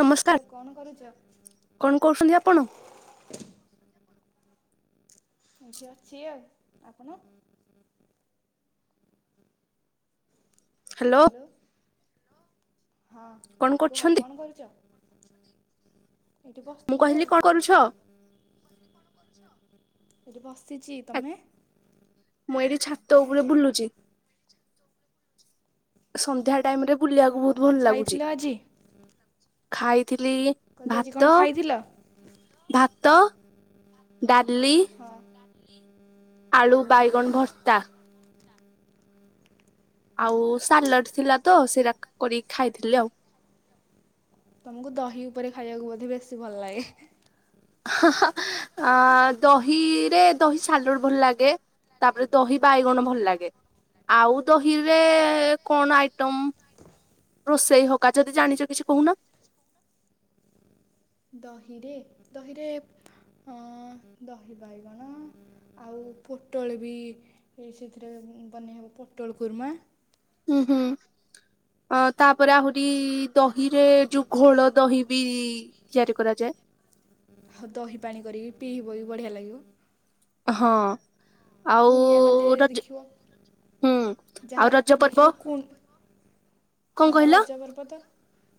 ନମସ୍କାର ହ୍ୟାଲୋ କଣ କରୁଚ? କଣ କରୁଛନ୍ତି ଆପଣ? ଏଇଠି ଅଛି ଆଉ। ଆପଣ? ହ୍ୟାଲୋ ହଁ କଣ କୁହ କରୁଛନ୍ତି? କଣ କରୁଚ? ଏଇଠି ମୁଁ ବସିଥିଲି କହିଲି ଆଉ। କଣ କରୁଛ? ଏଇଠି ବସିଚି। ଆ, ତମେ? ମୁଁ ଏଇଠି ଛାତ ଉପରେ ବୁଲୁଚି। ସନ୍ଧ୍ୟା ଟାଇମରେ ବୁଲିବାକୁ ଆଉ ବହୁତ କଣ ଭଲ ଖାଇଥିଲ ଲାଗୁଛି। ଆଜି ଖାଇଥିଲି କହିଲି ଆଜି କଣ ଭାତ। ଖାଇଥିଲ ଭାତ ଡାଲି। ହଁ ଆଳୁ ବାଇଗଣ ଭର୍ତ୍ତା। ଆଉ ସାଲାଡ଼ ଥିଲା ତ ସେଇଟା କ କରିକି ଖାଇଦେଲି ଆଉ। ତମକୁ ଦହି ଉପରେ ଖାଇବାକୁ ବୋଧେ ବେଶୀ ଭଲ ଲାଗେ। ହାହା ଆ ଦହିରେ ଦହି ସାଲୁଡ ଭଲ ଲାଗେ। ତାପରେ ଦହି ବାଇଗଣ ଭଲ ଲାଗେ। ଆଉ ଦହିରେ କଣ ଆଇଟମ୍ ରୋଷେଇ ହକା ଯଦି ଜାଣିଛ କିଛି କହୁନ। ଦହିରେ ଦହିରେ ଅ ଦହି ବାଇଗଣ। ଆଉ ପୋଟଳ ବି ସେଥିରେ ବନେଇ ହେବ ପୋଟଳ କୁର୍ମା। ଉଁ ହୁଁ। ଅ ତାପରେ ଆହୁରି ଦହିରେ ଯୋଉ ଘୋଳ ଦହି ବି ତିଆରି କରାଯାଏ। ଆଉ ଦହି ପାଣି କରିକି ପିଇବୁ ବଢ଼ିଆ ଲାଗିବ। ହଁ। ଆଉ କୁଣିଆ ଗଲେ ରଜ ଦେଖିବ। ହୁଁ ଆଉ ଯାହା ରଜ ପର୍ବ ଦେଖିବ କୁଣ କଣ ହଁ କହିଲ ରଜ ପର୍ବତ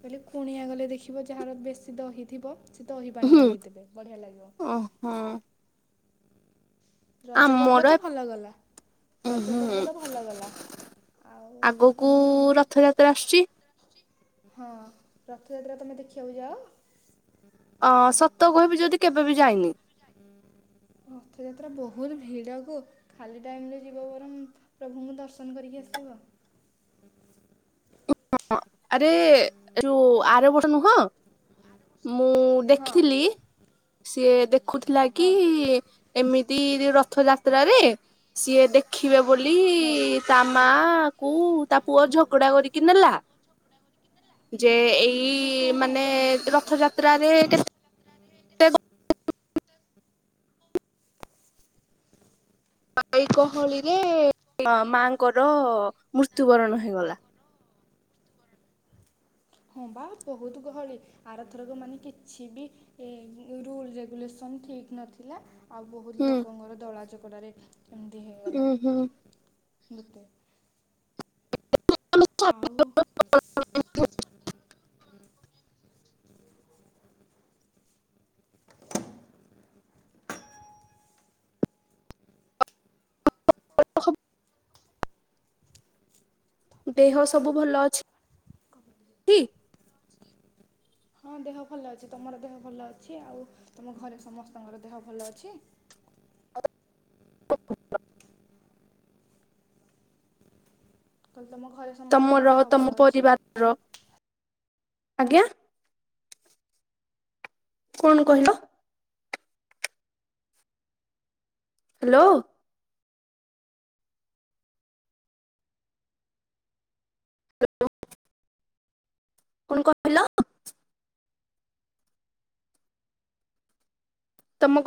କହିଲେ କୁଣିଆ ଗଲେ ଦେଖିବ ଯାହାର ବେଶୀ ଦହି ଥିବ ସେ ଦହି ପାଣି କରିକି ଦେବେ ବଢିଆ ଲାଗିବ। ହଁ। ରଜ ପର୍ବ ଆମର ତ ଭଲ ଗଲା। ରଜ ହୁଁ ପର୍ବ ତ ଭଲ ଗଲା। ଆଉ ଆଗକୁ ତମେ ରଥଯାତ୍ରା ଆସୁଛି ହଁ ରଥଯାତ୍ରା ତମେ ଦେଖିବାକୁ ଯାଅ। ଅଁ ସତ କହିବି ଯଦି କେବେ ବି ଯାଇନି। [unintelligible] ରଥଯାତ୍ରା ବହୁତ ଭିଡ଼କୁ ଖାଲି ଟାଇମରେ ଯିବ ବରଂ ପ୍ରଭୁଙ୍କୁ ଦର୍ଶନ କରିକି ଆସିବ। ହଁ ଆରେ ରେ ଆର ବର ନୁହଁ। ମୁଁ ହଁ ଦେଖିଲି ସିଏ ଦେଖୁଥିଲା କି ହଁ ଏମିତି ରଥଯାତ୍ରାରେ ସିଏ ଦେଖିବେ ବୋଲି ହଁ ତା ମା କୁ ତା ପୁଅ ଝଗଡ଼ା କରିକି ନେଲା। ଯେ ଏଇ ଓ ଇ ହଁ ହଁ ମାନେ ରଥଯାତ୍ରାରେ କେ ଏଇ ଗହଳିରେ ମାଙ୍କର ମୃତ୍ୟୁବରଣ ହେଇଗଲା। ହଁ ବା ବହୁତ ଗହଳି। ଆର ଥରକ ମାନେ କିଛି ବି ଏ ରୁଲ୍ ରେଗୁଲେସନ ଠିକ୍ ନଥିଲା। ଆଉ ବହୁତ ହୁଁ ଲୋକଙ୍କର ଦଳା ଚଗଡ଼ାରେ ଏମିତି ହେଇଗଲା। ଉଁ ହୁଁ ମତେ ଆଉ [unintelligible] [inaudible] ଦେହ ସବୁ ଭଲ ଅଛି କି? ହଁ ଦେହ ଭଲ ଅଛି ତୁମର ଦେହ ଭଲ ଅଛି ଆଉ ତୁମ ଘରେ ସମସ୍ତଙ୍କର ଦେହ ଭଲ ଅଛି? [inaudible] କହଲି ତମ ଘରେ ସମସ୍ତଙ୍କର ତମର ଦେହ ଭଲ ତମ ଅଛି ପରିବାରର ଆଜ୍ଞା। କଣ କହିଲ? ହ୍ୟାଲୋ। [unintelligible] କଣ କହିଲ।? ତମକୁ